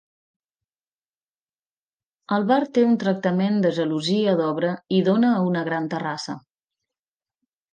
El bar té un tractament de gelosia d'obra i dóna a una gran terrassa.